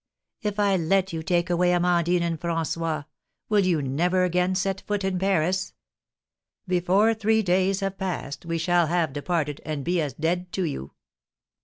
"If I let you take away Amandine and François, will you never again set foot in Paris?" "Before three days have passed, we shall have departed, and be as dead to you."